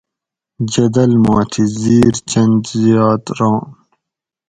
جدل ما تھی زِیر چند زیات ران